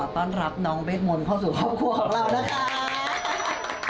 ต้อนรับน้องเวทมนต์เข้าสู่ครอบครัวของเรานะคะ